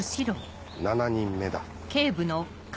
７人目だ。